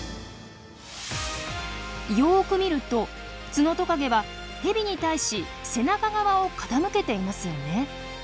よく見るとツノトカゲはヘビに対し背中側を傾けていますよね。